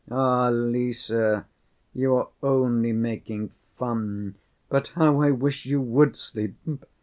"Ah, Lise, you are only making fun, but how I wish you would sleep!"